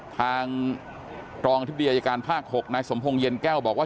ทางรองอธิบดีอายการภาค๖นายสมพงศ์เย็นแก้วบอกว่า